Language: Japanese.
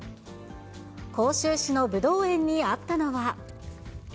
甲州市のブドウ園にあったのは。